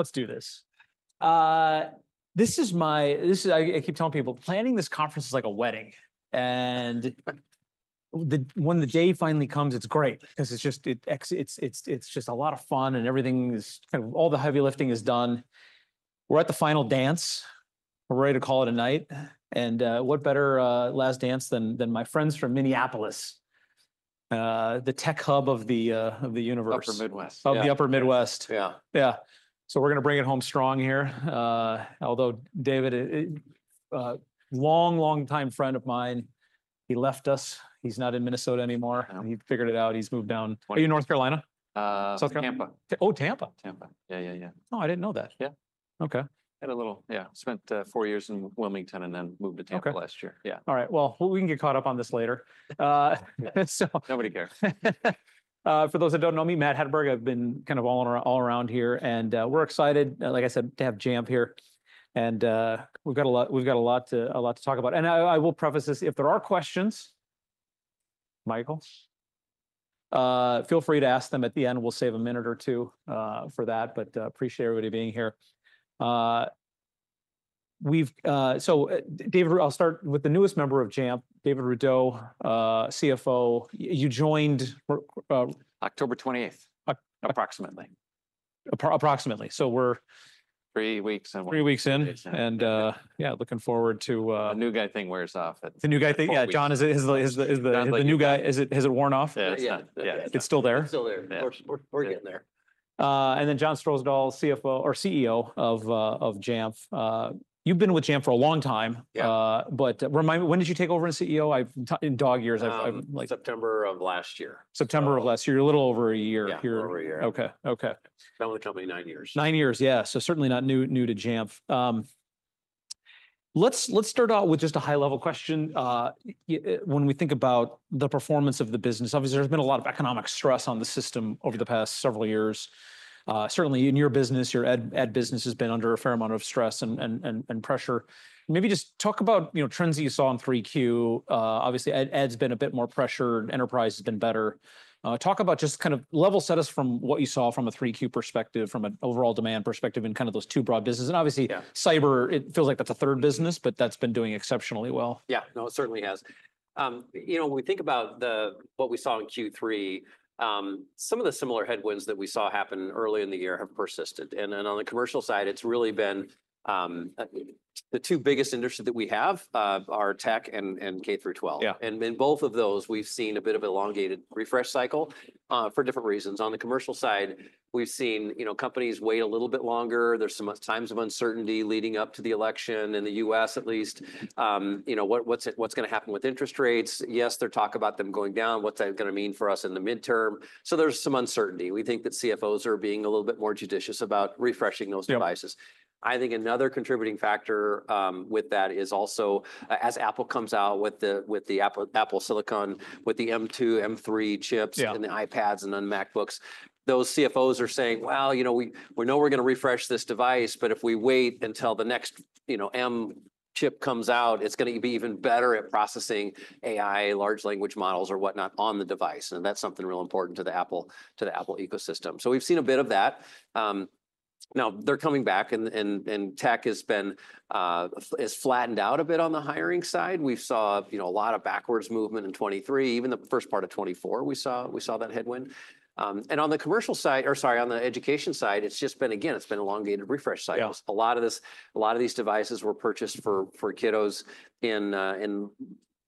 Let's do this. This is. I keep telling people, planning this conference is like a wedding. And when the day finally comes, it's great because it's just a lot of fun, and everything is kind of all the heavy lifting is done. We're at the final dance. We're ready to call it a night. And what better last dance than my friends from Minneapolis, the tech hub of the universe. Upper Midwest. Of the Upper Midwest. Yeah. Yeah. So we're going to bring it home strong here, although David, long, long-time friend of mine, he left us. He's not in Minnesota anymore. He figured it out. He's moved down. Are you in North Carolina? South Tampa. Oh, Tampa. Tampa. Yeah, yeah, yeah. Oh, I didn't know that. Yeah. Okay. Spent four years in Wilmington and then moved to Tampa last year. Yeah. All right. Well, we can get caught up on this later. Nobody cares. For those that don't know me, Matt Hedberg, I've been kind of all around here. We're excited, like I said, to have Jamf here. We've got a lot to talk about. I will preface this: if there are questions, Michael, feel free to ask them at the end. We'll save a minute or two for that. But appreciate everybody being here. So, David, I'll start with the newest member of Jamf, David Rudow, CFO. You joined, October 28th, approximately. Approximately. So we're. Three weeks in. Three weeks in, and yeah, looking forward to. The new guy thing wears off. The new guy thing. Yeah. John is the new guy. Has it worn off? Yeah. It's still there? It's still there. We're getting there. and then John Strosahl, CFO or CEO of Jamf. You've been with Jamf for a long time but remind me, when did you take over as CEO? I've in dog years. September of last year. September of last year. You're a little over a year here. Yeah, over a year. Okay. Okay. Now we're coming nine years. Nine years. Yeah. So certainly not new to Jamf. Let's start out with just a high-level question. When we think about the performance of the business, obviously, there's been a lot of economic stress on the system over the past several years. Certainly in your business, your Ed business has been under a fair amount of stress and pressure. Maybe just talk about, you know, trends that you saw in Q3. Obviously, Ed's been a bit more pressured. Enterprise has been better. Talk about just kind of level set us from what you saw from a Q3 perspective, from an overall demand perspective and kind of those two broad businesses. And obviously, cyber, it feels like that's a third business, but that's been doing exceptionally well. Yeah. No, it certainly has. You know, when we think about the, what we saw in Q3, some of the similar headwinds that we saw happen early in the year have persisted. And then on the commercial side, it's really been, the two biggest industry that we have, are tech and K-12. And in both of those, we've seen a bit of an elongated refresh cycle, for different reasons. On the commercial side, we've seen, you know, companies wait a little bit longer. There's some times of uncertainty leading up to the election in the U.S., at least. You know, what's going to happen with interest rates? Yes, there's talk about them going down. What's that going to mean for us in the midterm? So there's some uncertainty. We think that CFOs are being a little bit more judicious about refreshing those devices. I think another contributing factor with that is also as Apple comes out with the Apple Silicon with the M2, M3 chips in the iPads and on MacBooks. Those CFOs are saying, well, you know, we know we're going to refresh this device, but if we wait until the next, you know, M chip comes out, it's going to be even better at processing AI, large language models or whatnot on the device, and that's something real important to the Apple ecosystem, so we've seen a bit of that. Now they're coming back and tech has been, has flattened out a bit on the hiring side. We saw, you know, a lot of backwards movement in 2023, even the first part of 2024. We saw that headwind. and on the commercial side, or sorry, on the education side, it's just been, again, it's been an elongated refresh cycle. A lot of this, a lot of these devices were purchased for kiddos in the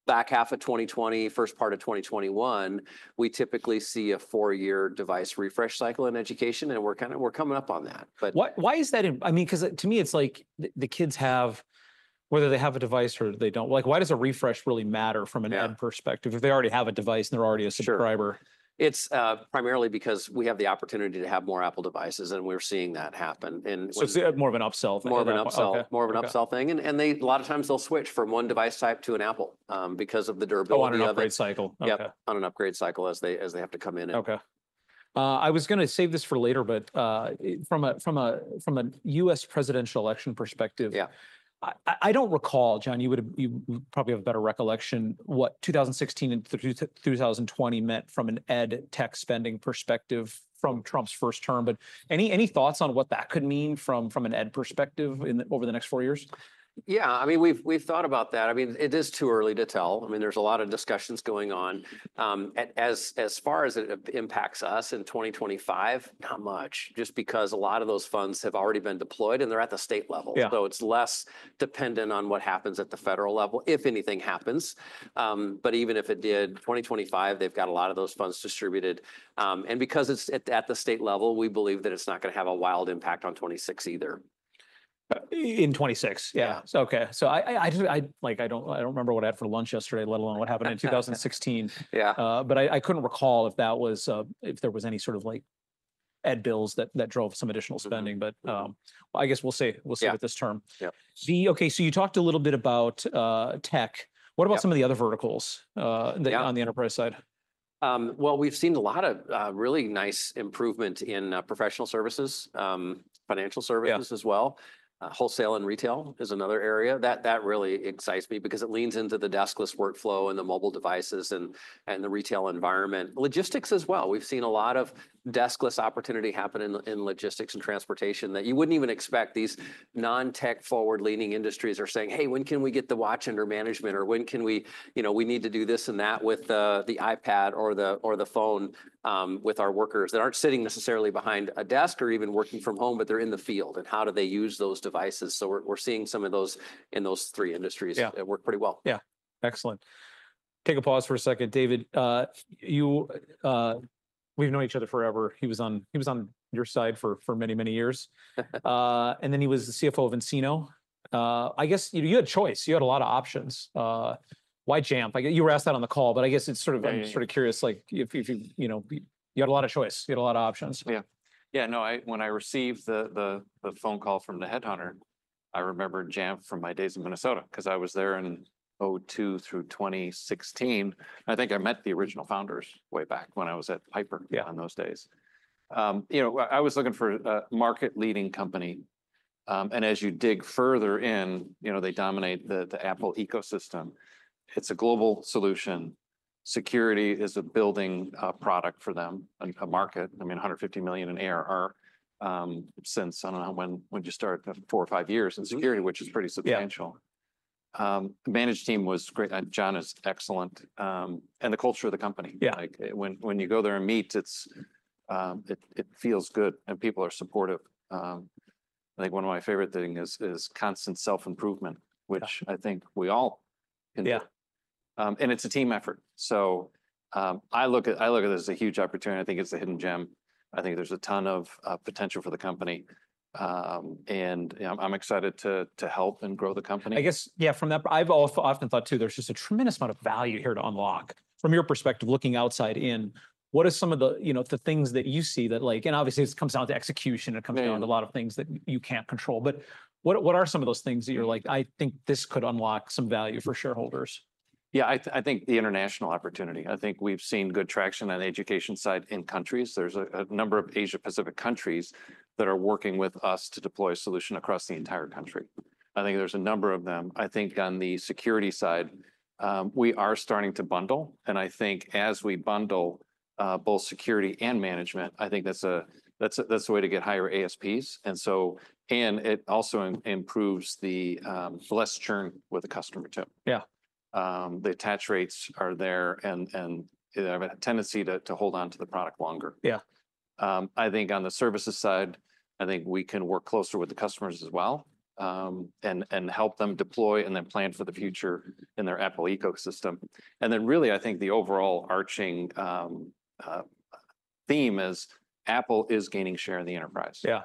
back half of 2020, first part of 2021. We typically see a four-year device refresh cycle in education, and we're kind of, we're coming up on that. But. Why is that? I mean, because to me, it's like the kids have, whether they have a device or they don't, like, why does a refresh really matter from an ed perspective if they already have a device and they're already a subscriber? It's primarily because we have the opportunity to have more Apple devices, and we're seeing that happen. And. It's more of an upsell thing. More of an upsell. More of an upsell thing. And they, a lot of times they'll switch from one device type to an Apple, because of the durability of the other. On an upgrade cycle. Yeah, on an upgrade cycle as they have to come in. Okay. I was going to save this for later, but from a U.S. presidential election perspective. Yeah. I don't recall, John, you probably have a better recollection what 2016 and 2020 meant from an ed tech spending perspective from Trump's first term. But any thoughts on what that could mean from an ed perspective over the next four years? Yeah. I mean, we've—we've thought about that. I mean, it is too early to tell. I mean, there's a lot of discussions going on. As—as far as it impacts us in 2025, not much, just because a lot of those funds have already been deployed and they're at the state level, so it's less dependent on what happens at the federal level, if anything happens, but even if it did, 2025, they've got a lot of those funds distributed, and because it's at the state level, we believe that it's not going to have a wild impact on 2026 either. In 2026. Yeah. Okay. So I just like, I don't remember what I had for lunch yesterday, let alone what happened in 2016. Yeah. But I couldn't recall if that was, if there was any sort of, like, aid bills that drove some additional spending. But, I guess we'll see with this term. Yeah. So you talked a little bit about tech. What about some of the other verticals that on the enterprise side? We've seen a lot of really nice improvement in professional services, financial services as well. Wholesale and retail is another area that really excites me because it leans into the deskless workflow and the mobile devices and the retail environment. Logistics as well. We've seen a lot of deskless opportunity happen in logistics and transportation that you wouldn't even expect. These non-tech forward-leaning industries are saying, "Hey, when can we get the watch under management?" Or, "When can we, you know, we need to do this and that with the iPad or the phone, with our workers that aren't sitting necessarily behind a desk or even working from home, but they're in the field." And how do they use those devices, so we're seeing some of those in those three industries that work pretty well. Yeah. Excellent. Take a pause for a second, David. You've known each other forever. He was on your side for many, many years. And then he was the CFO of nCino. I guess, you know, you had choice. You had a lot of options. Why Jamf? I guess you were asked that on the call, but I guess it's sort of—I'm sort of curious, like, if you've— you know, you had a lot of choice. You had a lot of options. Yeah. Yeah. No, when I received the phone call from the headhunter, I remember Jamf from my days in Minnesota because I was there in 2002 through 2016. I think I met the original founders way back when I was at Piper in those days. You know, I was looking for a market-leading company, and as you dig further in, you know, they dominate the Apple ecosystem. It's a global solution. Security is a building product for them, a market. I mean, $150 million in ARR, since I don't know when, when you start four or five years in security, which is pretty substantial. The management team was great. John is excellent, and the culture of the company. Yeah. Like, when you go there and meet, it feels good and people are supportive. I think one of my favorite things is constant self-improvement, which I think we all can. Yeah. And it's a team effort. So, I look at this as a huge opportunity. I think it's a hidden gem. I think there's a ton of potential for the company. And I'm excited to help and grow the company. I guess, yeah, from that, I've also often thought, too, there's just a tremendous amount of value here to unlock from your perspective, looking outside in. What are some of the, you know, the things that you see that, like, and obviously this comes down to execution and comes down to a lot of things that you can't control. But what—what are some of those things that you're like, "I think this could unlock some value for shareholders"? Yeah. I think the international opportunity. I think we've seen good traction on the education side in countries. There's a number of Asia-Pacific countries that are working with us to deploy a solution across the entire country. I think there's a number of them. I think on the security side, we are starting to bundle. And I think as we bundle, both security and management, I think that's a way to get higher ASPs. And so, and it also improves the less churn with the customer too. Yeah. The attach rates are there and they have a tendency to hold on to the product longer. Yeah. I think on the services side, I think we can work closer with the customers as well, and help them deploy and then plan for the future in their Apple ecosystem. And then really, I think the overall overarching theme is Apple is gaining share in the enterprise. Yeah.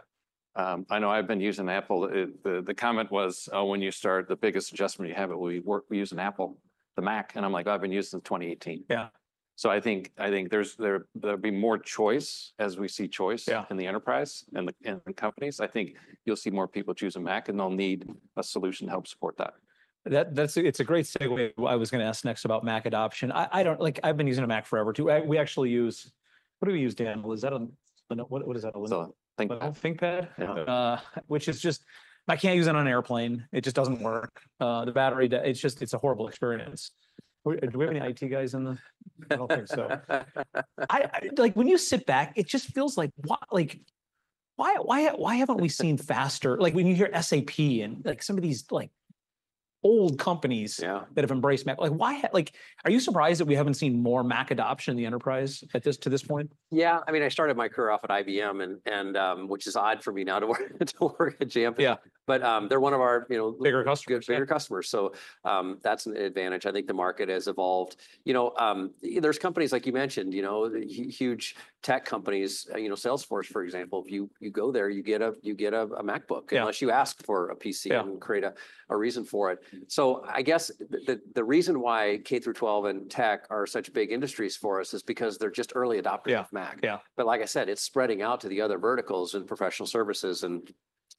I know I've been using Apple. The comment was, "Oh, when you start, the biggest adjustment you have it will be work. We use an Apple, the Mac." And I'm like, "I've been using it since 2018. Yeah. I think there'll be more choice as we see choice in the enterprise and the companies. I think you'll see more people choose a Mac, and they'll need a solution to help support that. That's a great segue. I was going to ask next about Mac adoption. I don't like, I've been using a Mac forever, too. We actually use—what do we use, Daniel? Is that a—what is that a— It's a ThinkPad. ThinkPad? Yeah. which is just - I can't use it on an airplane. It just doesn't work. The battery - it's just - it's a horrible experience. Do we have any IT guys in the - I don't think so. I - like, when you sit back, it just feels like, what - like, why - why - why haven't we seen faster? Like, when you hear SAP and, like, some of these, like, old companies that have embraced Mac, like, why - like, are you surprised that we haven't seen more Mac adoption in the enterprise at this - to this point? Yeah. I mean, I started my career off at IBM, which is odd for me now to work at Jamf. Yeah. But they're one of our, you know. Bigger customers. Bigger customers. So, that's an advantage. I think the market has evolved. You know, there's companies, like you mentioned, you know, huge tech companies, you know, Salesforce, for example. If you go there, you get a MacBook unless you ask for a PC and create a reason for it. So I guess the reason why K through 12 and tech are such big industries for us is because they're just early adopters of Mac. Yeah. But like I said, it's spreading out to the other verticals and professional services and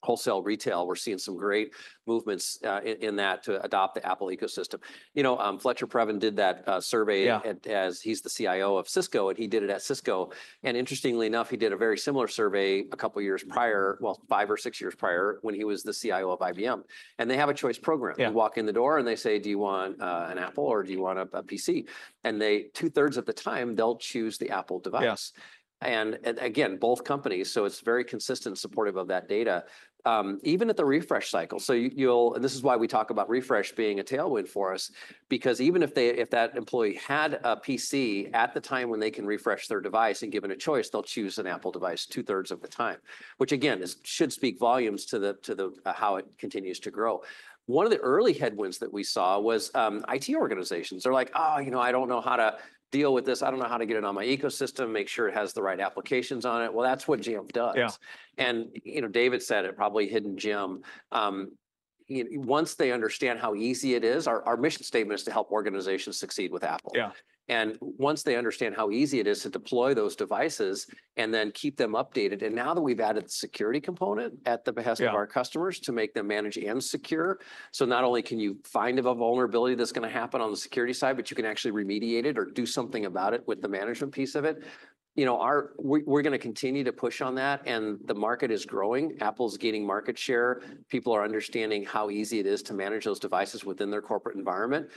wholesale retail. We're seeing some great movements, in that to adopt the Apple ecosystem. You know, Fletcher Previn did that, survey. Yeah. As he's the CIO of Cisco, and he did it at Cisco. And interestingly enough, he did a very similar survey a couple of years prior, well, five or six years prior when he was the CIO of IBM. And they have a choice program. Yeah. You walk in the door and they say, "Do you want an Apple or do you want a PC?" And they two-thirds of the time, they'll choose the Apple device. Yeah. And again, both companies, so it's very consistent and supportive of that data, even at the refresh cycle, and this is why we talk about refresh being a tailwind for us, because even if that employee had a PC at the time when they can refresh their device and given a choice, they'll choose an Apple device two-thirds of the time, which again should speak volumes to the how it continues to grow. One of the early headwinds that we saw was IT organizations. They're like, "Oh, you know, I don't know how to deal with this. I don't know how to get it on my ecosystem, make sure it has the right applications on it." Well, that's what Jamf does. Yeah. You know, David said it's probably a hidden gem. You know, once they understand how easy it is, our mission statement is to help organizations succeed with Apple. Yeah. Once they understand how easy it is to deploy those devices and then keep them updated, and now that we've added the security component at the behest of our customers to make them manage and secure, so not only can you find a vulnerability that's going to happen on the security side, but you can actually remediate it or do something about it with the management piece of it, you know, our—we're going to continue to push on that. The market is growing. Apple's gaining market share. People are understanding how easy it is to manage those devices within their corporate environment.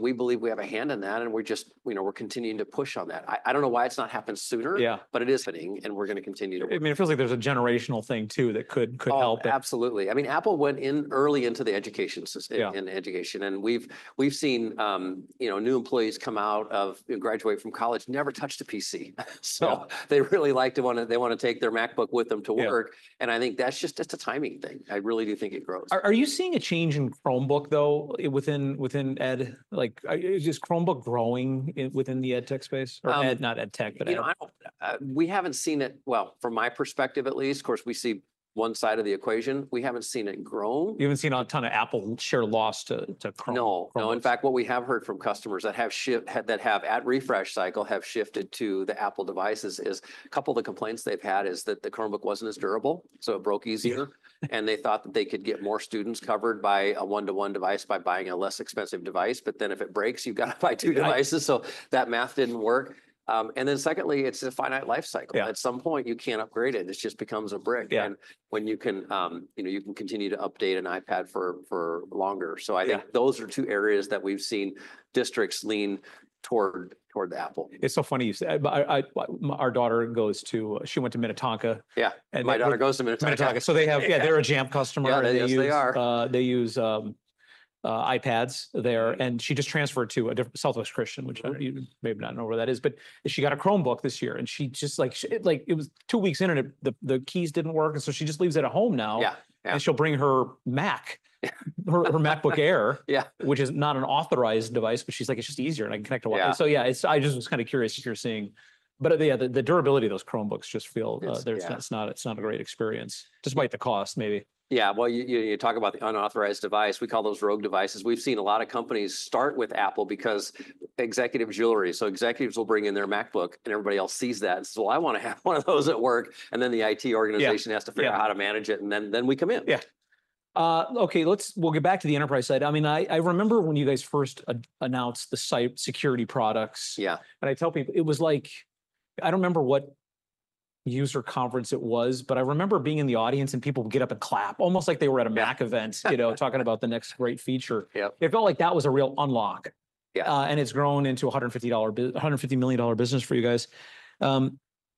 We believe we have a hand in that. We're just, you know, we're continuing to push on that. I—I don't know why it's not happened sooner. Yeah. But it is happening, and we're going to continue to work. I mean, it feels like there's a generational thing, too, that could help. Oh, absolutely. I mean, Apple went in early into the education system in education. And we've seen, you know, new employees graduate from college never touched a PC. So they really want to take their MacBook with them to work. And I think that's just a timing thing. I really do think it grows. Are you seeing a change in Chromebook, though, within ed? Like, is Chromebook growing within the ed tech space? Or ed, not ed tech, but ed? You know, I don't. We haven't seen it. Well, from my perspective, at least, of course, we see one side of the equation. We haven't seen it grow. You haven't seen a ton of Apple share loss to Chromebook? No. No. In fact, what we have heard from customers that have shifted, that have at refresh cycle have shifted to the Apple devices, is a couple of the complaints they've had is that the Chromebook wasn't as durable, so it broke easier, and they thought that they could get more students covered by a one-to-one device by buying a less expensive device. But then if it breaks, you've got to buy two devices, so that math didn't work, and then secondly, it's a finite life cycle. At some point, you can't upgrade it. It just becomes a brick. And when you can, you know, you can continue to update an iPad for longer, so I think those are two areas that we've seen districts lean toward the Apple. It's so funny you said, but our daughter—she went to Minnetonka. Yeah. My daughter goes to Minnetonka. Minnetonka. So they have, yeah, they're a Jamf customer. Yeah, they are. They use iPads there. She just transferred to a different Southwest Christian, which you maybe not know where that is, but she got a Chromebook this year, and she just, like, it was two weeks in, and the keys didn't work, and so she just leaves it at home now. Yeah. Yeah. She'll bring her Mac, her MacBook Air, which is not an authorized device, but she's like, "It's just easier, and I can connect to Wi-Fi." So yeah, it's. I just was kind of curious if you're seeing, but yeah, the durability of those Chromebooks just feel. There's. It's not a great experience, despite the cost, maybe. Yeah, well, you talk about the unauthorized device. We call those rogue devices. We've seen a lot of companies start with Apple because executive jewelry. So executives will bring in their MacBook, and everybody else sees that. It's, "Well, I want to have one of those at work," and then the IT organization has to figure out how to manage it, and then we come in. Let's, we'll get back to the enterprise side. I mean, I remember when you guys first announced the cybersecurity products. Yeah. I tell people it was like, I don't remember what user conference it was, but I remember being in the audience and people would get up and clap, almost like they were at a Mac event, you know, talking about the next great feature. Yeah. It felt like that was a real unlock. Yeah. It's grown into a $150 million business for you guys.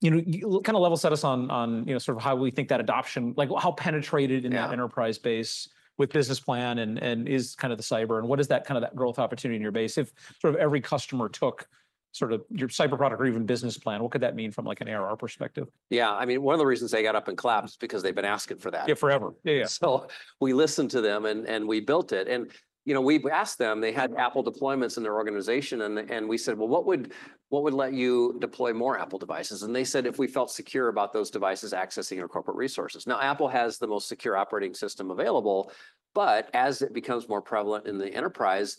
You know, kind of level set us on, you know, sort of how we think that adoption, like, how penetrated in that enterprise base with business plan and is kind of the cyber, and what is that kind of that growth opportunity in your base? If sort of every customer took sort of your cyber product or even business plan, what could that mean from, like, an ARR perspective? Yeah. I mean, one of the reasons they got up and clapped is because they've been asking for that. Yeah, forever. Yeah, yeah. We listened to them and we built it. You know, we've asked them. They had Apple deployments in their organization. We said, "Well, what would let you deploy more Apple devices?" They said, "If we felt secure about those devices accessing our corporate resources." Now, Apple has the most secure operating system available, but as it becomes more prevalent in the enterprise,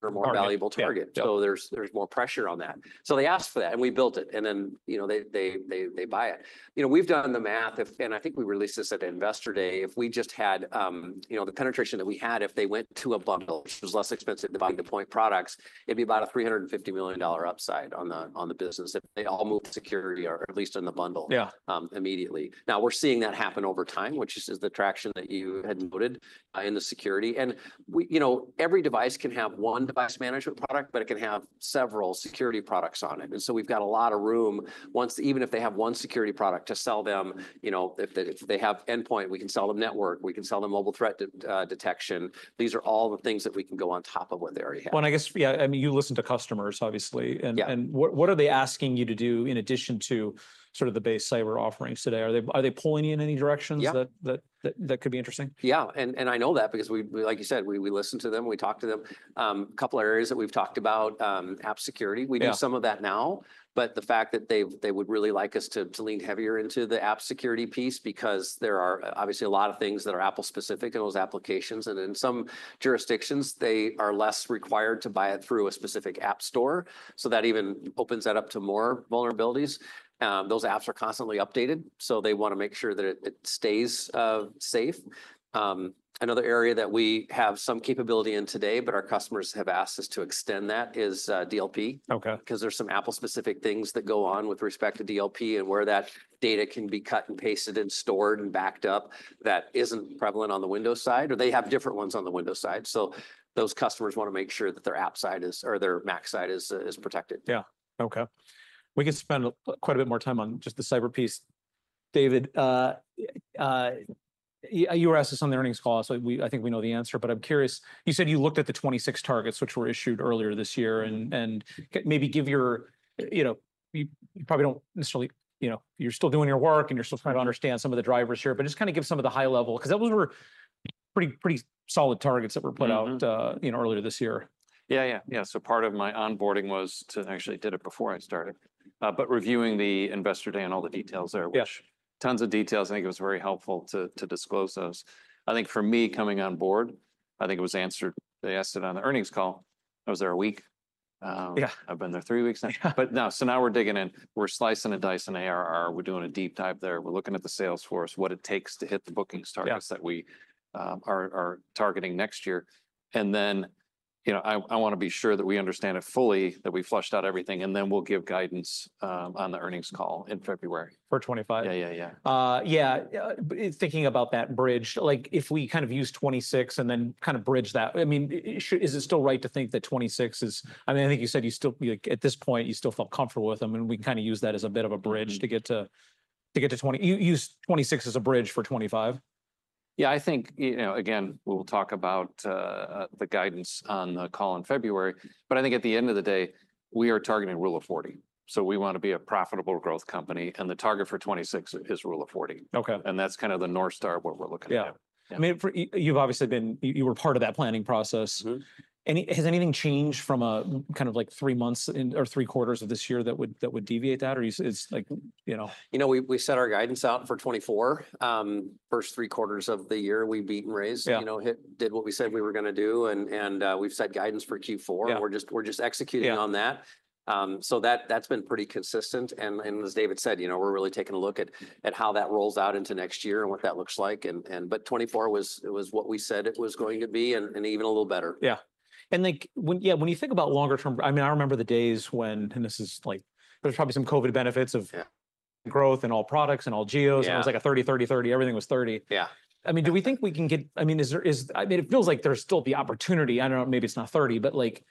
they're a more valuable target. There's more pressure on that. They asked for that, and we built it. Then, you know, they buy it. You know, we've done the math. and I think we released this at Investor Day - if we just had, you know, the penetration that we had, if they went to a bundle, which was less expensive than buying the point products, it'd be about a $350 million upside on the - on the business if they all moved security, or at least in the bundle. Yeah. immediately. Now, we're seeing that happen over time, which is the traction that you had noted in the security. And we, you know, every device can have one device management product, but it can have several security products on it. And so we've got a lot of room once, even if they have one security product to sell them, you know, if they have endpoint, we can sell them network. We can sell them mobile threat detection. These are all the things that we can go on top of what they already have. Well, and I guess, yeah, I mean, you listen to customers, obviously. Yeah. What are they asking you to do in addition to sort of the base cyber offerings today? Are they pulling in any directions that could be interesting? Yeah. And I know that because we—like you said, we listen to them. We talk to them. A couple of areas that we've talked about, app security. We do some of that now. But the fact that they would really like us to lean heavier into the app security piece because there are obviously a lot of things that are Apple-specific in those applications. And in some jurisdictions, they are less required to buy it through a specific app store. So that even opens that up to more vulnerabilities. Those apps are constantly updated. So they want to make sure that it stays safe. Another area that we have some capability in today, but our customers have asked us to extend that is DLP. Okay. Because there's some Apple-specific things that go on with respect to DLP and where that data can be cut and pasted and stored and backed up that isn't prevalent on the Windows side, or they have different ones on the Windows side. So those customers want to make sure that their Apple side is - or their Mac side is protected. Yeah. Okay. We can spend quite a bit more time on just the cyber piece. David, you were asked this on the earnings call, so we, I think we know the answer, but I'm curious. You said you looked at the 26 targets which were issued earlier this year and maybe give your, you know, you probably don't necessarily, you know, you're still doing your work and you're still trying to understand some of the drivers here, but just kind of give some of the high level because those were pretty solid targets that were put out, you know, earlier this year. Yeah, yeah, yeah, so part of my onboarding was to actually did it before I started, but reviewing the investor day and all the details there, which tons of details. I think it was very helpful to disclose those. I think for me coming on board, I think it was answered. They asked it on the earnings call. I was there a week. Yeah. I've been there three weeks now, but now, so now we're digging in. We're slicing and dicing ARR. We're doing a deep dive there. We're looking at the sales force, what it takes to hit the booking targets that we are targeting next year, and then, you know, I want to be sure that we understand it fully, that we fleshed out everything, and then we'll give guidance on the earnings call in February. For '25? Yeah, yeah, yeah. Yeah. Thinking about that bridge, like, if we kind of use 26 and then kind of bridge that, I mean, is it still right to think that 26 is—I mean, I think you said you still, like, at this point, you still felt comfortable with them, and we can kind of use that as a bit of a bridge to get to—to get to 20. You use 26 as a bridge for 2025? Yeah. I think, you know, again, we'll talk about the guidance on the call in February. But I think at the end of the day, we are targeting Rule of 40. So we want to be a profitable growth company, and the target for 2026 is Rule of 40. Okay. That's kind of the North Star of what we're looking at. Yeah. I mean, you've obviously been - you were part of that planning process. Mm-hmm. Has anything changed from a kind of like three months in or three quarters of this year that would deviate that? Or is it like, you know? You know, we set our guidance out for 2024. First three quarters of the year, we beat and raised. Yeah. You know, did what we said we were going to do. And, we've set guidance for Q4. Yeah. We're just executing on that. Yeah. So that's been pretty consistent. And as David said, you know, we're really taking a look at how that rolls out into next year and what that looks like. And but 2024 was what we said it was going to be and even a little better. Yeah, and like, when you think about longer-term, I mean, I remember the days when, and this is like, there's probably some COVID benefits of. Yeah. Growth and all products and all geos. Yeah. It was like a 30, 30, 30. Everything was 30. Yeah. I mean, do we think we can get? I mean, is there? I mean, it feels like there's still the opportunity. I don't know. Maybe it's not 30, but like,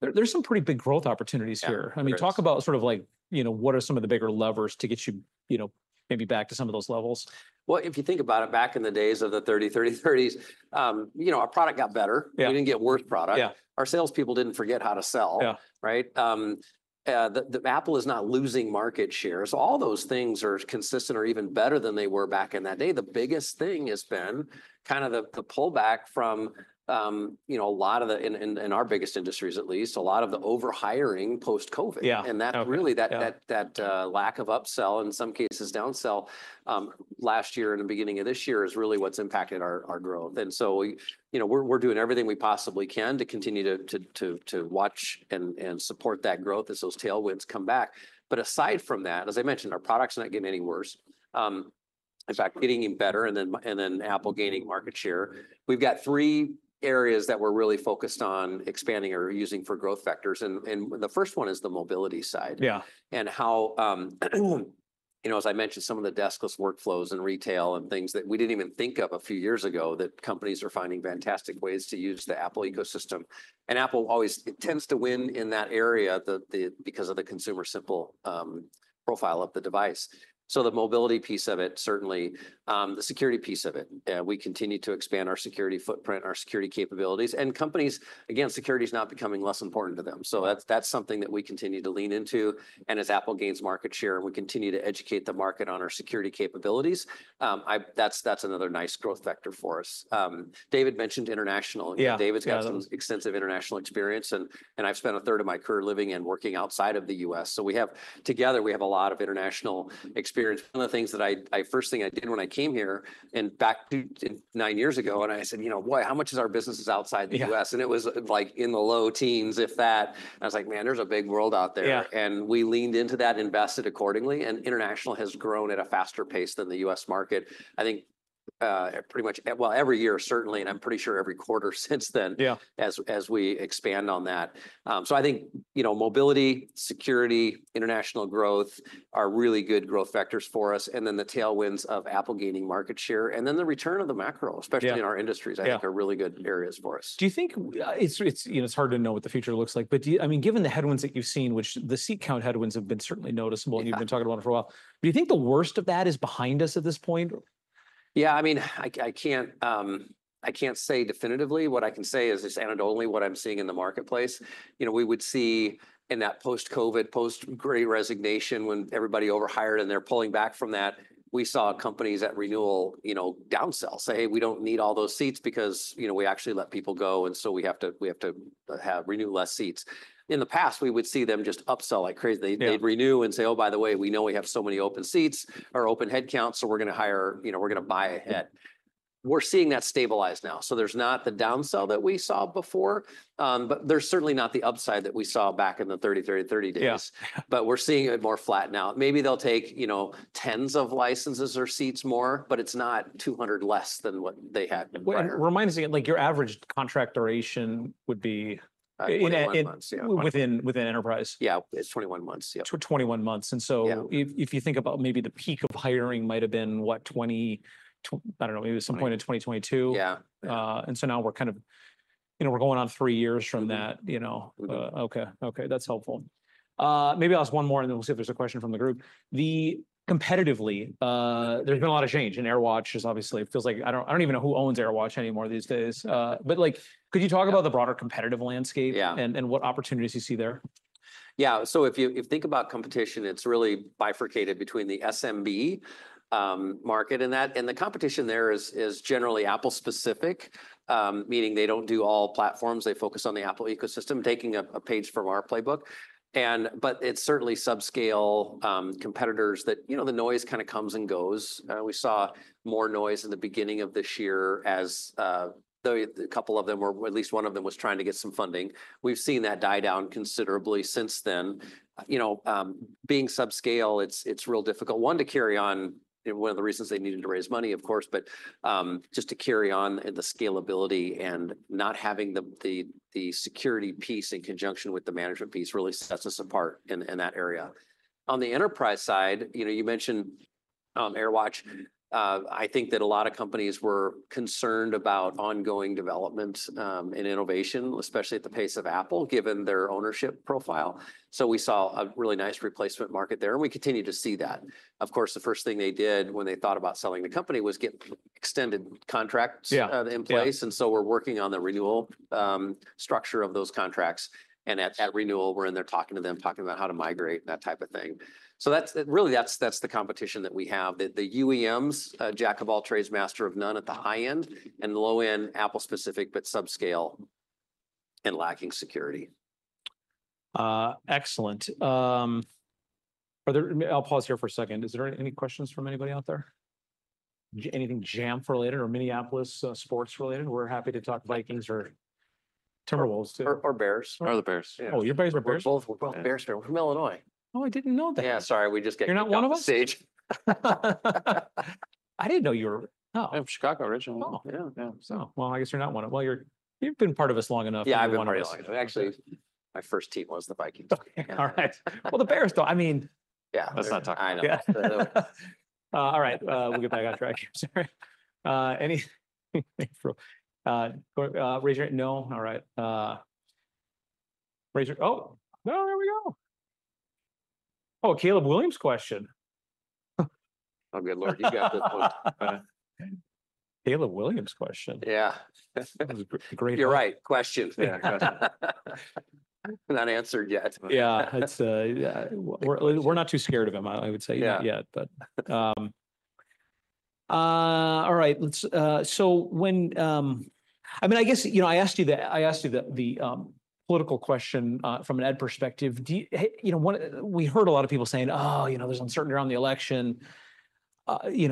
there's some pretty big growth opportunities here. I mean, talk about sort of like, you know, what are some of the bigger levers to get you, you know, maybe back to some of those levels? If you think about it, back in the days of the 30, 30, 30s, you know, our product got better. Yeah. We didn't get worse product. Yeah. Our salespeople didn't forget how to sell. Yeah. Right? The Apple is not losing market share. So all those things are consistent or even better than they were back in that day. The biggest thing has been kind of the pullback from, you know, a lot of the in our biggest industries, at least, a lot of the overhiring post-COVID. Yeah. And that really, lack of upsell, in some cases downsell, last year and the beginning of this year is really what's impacted our growth. And so we, you know, we're doing everything we possibly can to continue to watch and support that growth as those tailwinds come back. But aside from that, as I mentioned, our product's not getting any worse. In fact, getting even better. And then Apple gaining market share. We've got three areas that we're really focused on expanding or using for growth factors. And the first one is the mobility side. Yeah. And how, you know, as I mentioned, some of the deskless workflows in retail and things that we didn't even think of a few years ago that companies are finding fantastic ways to use the Apple ecosystem. Apple always tends to win in that area because of the consumer simple profile of the device. So the mobility piece of it, certainly, the security piece of it. We continue to expand our security footprint, our security capabilities. And companies, again, security is not becoming less important to them. So that's, that's something that we continue to lean into. And as Apple gains market share and we continue to educate the market on our security capabilities, I, that's, that's another nice growth vector for us. David mentioned international. Yeah. David's got some extensive international experience. And I've spent a third of my career living and working outside of the U.S. So together, we have a lot of international experience. One of the things that I first thing I did when I came here back nine years ago, and I said, you know, boy, how much is our business outside the U.S.? And it was like in the low teens, if that. And I was like, man, there's a big world out there. Yeah. And we leaned into that, invested accordingly. And international has grown at a faster pace than the U.S. market. I think, pretty much well, every year, certainly, and I'm pretty sure every quarter since then. Yeah. As we expand on that. So I think, you know, mobility, security, international growth are really good growth factors for us. And then the tailwinds of Apple gaining market share and then the return of the macro, especially in our industries, I think are really good areas for us. Do you think it's, you know, it's hard to know what the future looks like, but do you, I mean, given the headwinds that you've seen, which the seat count headwinds have been certainly noticeable and you've been talking about for a while, do you think the worst of that is behind us at this point? Yeah. I mean, I can't say definitively. What I can say is it's anecdotally what I'm seeing in the marketplace. You know, we would see in that post-COVID, post-great resignation when everybody overhired and they're pulling back from that, we saw companies at renewal, you know, downsell. Say, "Hey, we don't need all those seats because, you know, we actually let people go. And so we have to renew less seats." In the past, we would see them just upsell like crazy. They'd renew and say, "Oh, by the way, we know we have so many open seats or open headcounts, so we're going to hire, you know, we're going to buy ahead." We're seeing that stabilize now. So there's not the downsell that we saw before. But there's certainly not the upside that we saw back in the 30, 30, 30 days. Yeah. But we're seeing it more flat now. Maybe they'll take, you know, tens of licenses or seats more, but it's not 200 less than what they had. Remind us again, like your average contract duration would be? 21 months, yeah. Within—within enterprise. Yeah. It's 21 months, yeah. 21 months. And so if you think about maybe the peak of hiring might have been what, 20, I don't know, maybe some point in 2022. Yeah. And so now we're kind of, you know, we're going on three years from that, you know. Mm-hmm. Okay. Okay. That's helpful. Maybe I'll ask one more and then we'll see if there's a question from the group. Competitively, there's been a lot of change in AirWatch. It's obviously it feels like I don't even know who owns AirWatch anymore these days. But like, could you talk about the broader competitive landscape? Yeah. What opportunities you see there? Yeah. So if you think about competition, it's really bifurcated between the SMB market and that. And the competition there is generally Apple-specific, meaning they don't do all platforms. They focus on the Apple ecosystem, taking a page from our playbook. But it's certainly subscale competitors that, you know, the noise kind of comes and goes. We saw more noise in the beginning of this year as though a couple of them were, at least one of them was trying to get some funding. We've seen that die down considerably since then. You know, being subscale, it's real difficult. One, to carry on, you know, one of the reasons they needed to raise money, of course, but just to carry on in the scalability and not having the security piece in conjunction with the management piece really sets us apart in that area. On the enterprise side, you know, you mentioned AirWatch. I think that a lot of companies were concerned about ongoing development, and innovation, especially at the pace of Apple, given their ownership profile. So we saw a really nice replacement market there. And we continue to see that. Of course, the first thing they did when they thought about selling the company was get extended contracts. Yeah. In place, and so we're working on the renewal structure of those contracts, and at renewal, we're in there talking to them, talking about how to migrate and that type of thing, so that's really the competition that we have. The UEMs, jack of all trades, master of none at the high end and low end, Apple-specific, but subscale and lacking security. Are there? I'll pause here for a second. Is there any questions from anybody out there? Anything Jamf related or Minneapolis Sports related? We're happy to talk Vikings or Timberwolves. Or—or Bears. Or the Bears. Yeah. Oh, you're Bears or Bears? We're both Bears. We're from Illinois. Oh, I didn't know that. Yeah. Sorry. You're not one of us? Stage. I didn't know you were. Oh, I'm Chicago originally. Oh. Yeah. Yeah, so, well, I guess you're not one of, well, you've been part of us long enough. Yeah. I've been part of us long enough. Actually, my first team was the Vikings. Okay. All right. Well, the Bears though, I mean. Yeah. Let's not talk about that. Yeah. All right. We'll get back on track. Sorry. Anything from, raise your hand. No. All right. Oh, no, there we go. Oh, Caleb Williams question. Oh, good Lord. You got this one. Caleb Williams question. Yeah. That was a great question. You're right. Question. Yeah. Question. Not answered yet. Yeah. It's yeah. We're not too scared of him, I would say, yet, but. All right. So when, I mean, I guess, you know, I asked you the political question, from an ed perspective. Do you know, one we heard a lot of people saying, "Oh, you know, there's uncertainty around the election." You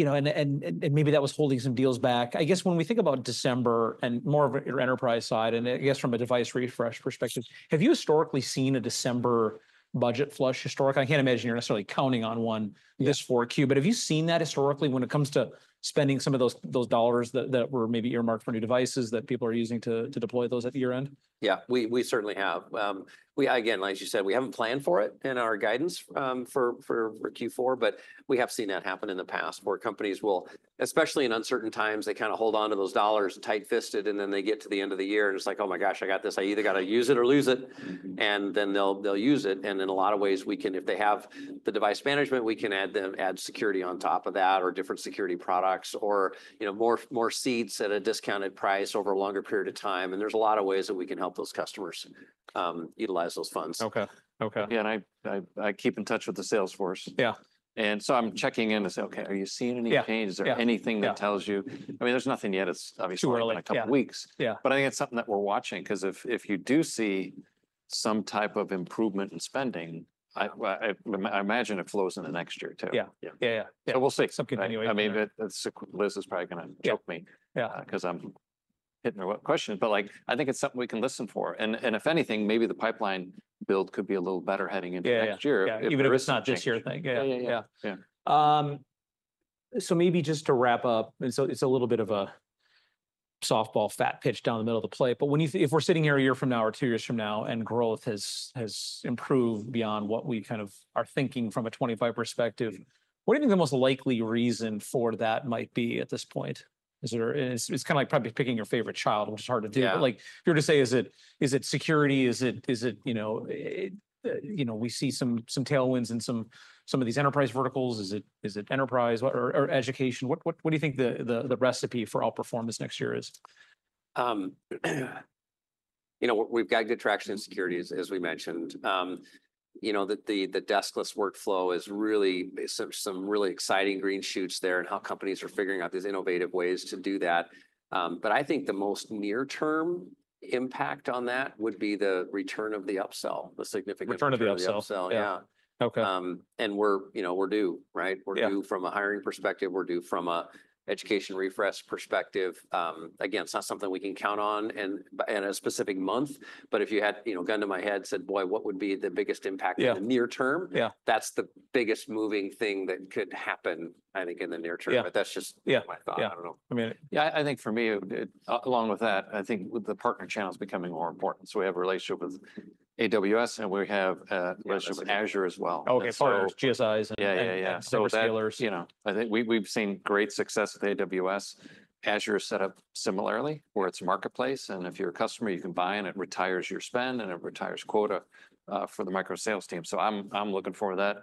know, and maybe that was holding some deals back. I guess when we think about December and more of your enterprise side and I guess from a device refresh perspective, have you historically seen a December budget flush? I can't imagine you're necessarily counting on one this for Q, but have you seen that historically when it comes to spending some of those dollars that were maybe earmarked for new devices that people are using to deploy those at the year end? Yeah. We certainly have. Again, like you said, we haven't planned for it in our guidance for Q4, but we have seen that happen in the past where companies will, especially in uncertain times, they kind of hold on to those dollars and tight-fisted, and then they get to the end of the year and it's like, "Oh my gosh, I got this. I either got to use it or lose it." And then they'll use it. And in a lot of ways, we can, if they have the device management, we can add security on top of that or different security products or, you know, more seats at a discounted price over a longer period of time. And there's a lot of ways that we can help those customers utilize those funds. Okay. Okay. Yeah, and I keep in touch with the Salesforce. Yeah. I'm checking in to say, "Okay. Are you seeing any changes? Yeah. Or anything that tells you? I mean, there's nothing yet. It's obviously. Too early. In a couple of weeks. Yeah. But I think it's something that we're watching because if you do see some type of improvement in spending, I imagine it flows into next year too. Yeah. Yeah. Yeah. Yeah. Yeah. We'll see. Some continuation. I mean, that's. Liz is probably going to choke me. Yeah. Because I'm hitting her with questions. But like, I think it's something we can listen for. And if anything, maybe the pipeline build could be a little better heading into next year. Yeah. Yeah. Even if it's not this year thing. Yeah. Yeah. Yeah. Yeah. Yeah. So maybe just to wrap up, and so it's a little bit of a softball fat pitch down the middle of the play, but when you—if we're sitting here a year from now or two years from now and growth has improved beyond what we kind of are thinking from a 25 perspective, what do you think the most likely reason for that might be at this point? It's kind of like probably picking your favorite child, which is hard to do. Yeah. But like, you're to say, is it security? Is it, you know, we see some tailwinds in some of these enterprise verticals. Is it enterprise or education? What do you think the recipe for outperformance next year is? You know, we've got good traction in security, as we mentioned. You know, the deskless workflow is really some really exciting green shoots there and how companies are figuring out these innovative ways to do that. But I think the most near-term impact on that would be the return of the upsell, the significant return of the upsell. Return of the upsell. Yeah. Okay. and we're, you know, we're due, right? We're due from a hiring perspective. We're due from an education refresh perspective. Again, it's not something we can count on in a specific month, but if you had, you know, gun to my head, said, "Boy, what would be the biggest impact in the near term? Yeah. That's the biggest moving thing that could happen, I think, in the near term. Yeah. But that's just my thought. I don't know. Yeah. I mean, yeah, I think for me, along with that, I think the partner channel is becoming more important. So we have a relationship with AWS and we have a relationship with Azure as well. Okay. Partners. GSIs and. Yeah. Yeah. Yeah. Service dealers. You know, I think we've seen great success with AWS. Azure is set up similarly where it's a marketplace. And if you're a customer, you can buy and it retires your spend and it retires quota, for the micro sales team. So I'm looking forward to that.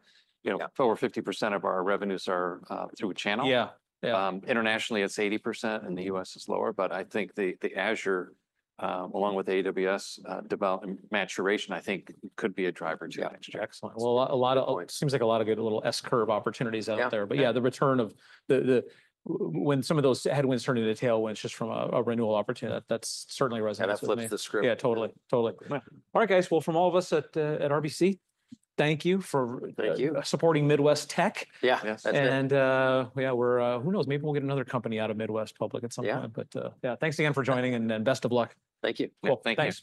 You know, over 50% of our revenues are through a channel. Yeah. Yeah. Internationally, it's 80% and the U.S. is lower. But I think the Azure, along with AWS, development maturation, I think could be a driver to that. Excellent. It seems like a lot of good little S-curve opportunities out there. Yeah. But yeah, the return of the when some of those headwinds turn into tailwinds just from a renewal opportunity, that's certainly resonating. That flips the script. Yeah. Totally. Totally. All right, guys. Well, from all of us at RBC, thank you for. Thank you. Supporting Midwest Tech. Yeah. And, yeah, we're, who knows? Maybe we'll get another company out of Midwest Public at some point. Yeah. But, yeah, thanks again for joining and best of luck. Thank you. Cool. Thank you.